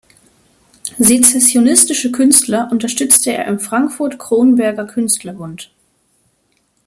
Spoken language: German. Sezessionistische Künstler unterstützte er im Frankfurt-Cronberger-Künstler-Bund.